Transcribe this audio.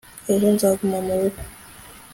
ejo nzaguma murugo